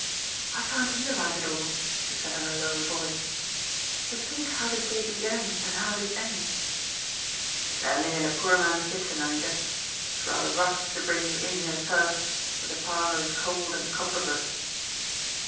"I can't realize it all," she said in a low voice. "To think how this day began and how it is ending!" "It's ending in a poor man's kitchen, Alida. It was rather rough to bring you in here first, but the parlor is cold and comfortless.